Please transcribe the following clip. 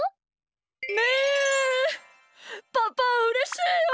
パパうれしいよ！